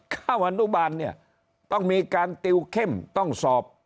ข้าวอนุบาลเนี่ยต้องมีการติวเข้มต้องสอบ